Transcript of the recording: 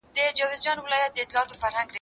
ما د سبا لپاره د نوي لغتونو يادونه کړې ده!